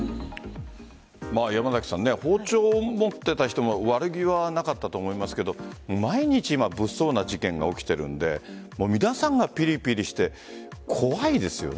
山崎さん包丁を持っていた人も悪気はなかったと思いますが毎日、今物騒な事件が起きているので皆さんがピリピリして怖いですよね。